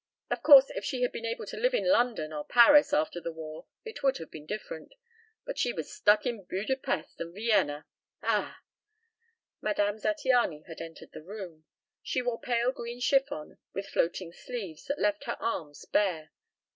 Of course if she had been able to live in London or Paris after the war it would have been different, but she was stuck in Buda Pesth and Vienna ah!" Madame Zattiany had entered the room. She wore pale green chiffon with floating sleeves that left her arms bare.